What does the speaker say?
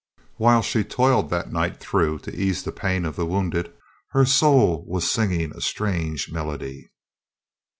... While she toiled that night through to ease the pain of the wounded, her soul was singing a strange melody.